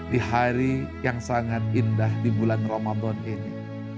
di hari yang sangat indah di bulan ramadan ini